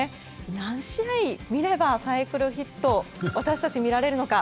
何試合見れば、サイクルヒットを私たちは見られるのか。